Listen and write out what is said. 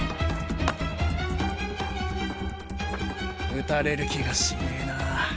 打たれる気がしねえなァ。